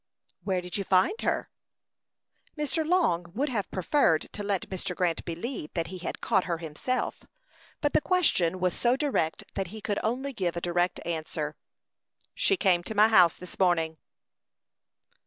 "Where did you find her?" Mr. Long would have preferred to let Mr. Grant believe that he had caught her himself; but the question was so direct that he could only give a direct answer. "She came to my house this morning."